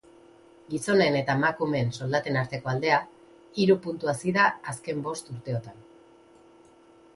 Gizonen eta emakumeen soldaten arteko aldea hiru puntu hazi da azken bost urteotan.